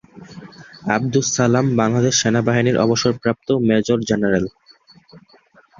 আবদুস সালাম বাংলাদেশ সেনাবাহিনীর অবসরপ্রাপ্ত major general.